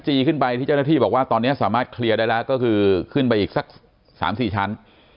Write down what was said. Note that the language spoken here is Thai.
ขึ้นไปที่เจ้าหน้าที่บอกว่าตอนนี้สามารถเคลียร์ได้แล้วก็คือขึ้นไปอีกสัก๓๔ชั้น